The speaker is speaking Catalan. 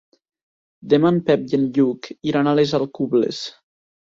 Demà en Pep i en Lluc iran a les Alcubles.